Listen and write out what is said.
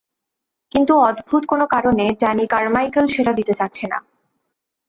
কিন্তু অদ্ভুত কোনো কারণে ড্যানি কারমাইকেল সেটা দিতে চাচ্ছে না।